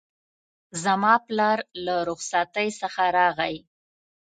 زما پلار له رخصتی څخه راغی